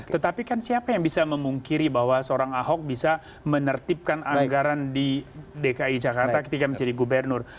tetapi kan siapa yang bisa memungkiri bahwa seorang ahok bisa menertibkan anggaran di dki jakarta ketika menjadi gubernur